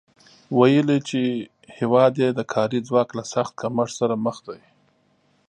ویلي چې هېواد یې د کاري ځواک له سخت کمښت سره مخ دی